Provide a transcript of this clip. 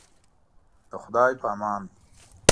د خدای په امان.